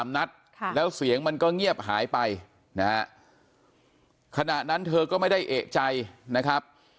นัดแล้วเสียงมันก็เงียบหายไปนะฮะขณะนั้นเธอก็ไม่ได้เอกใจนะครับ